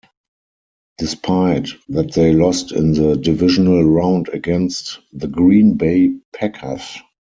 Despite that they lost in the divisional round against the Green Bay Packers.